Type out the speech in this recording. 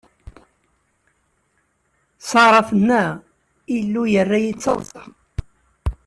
Ṣara tenna: Illu yerra-yi d taḍṣa.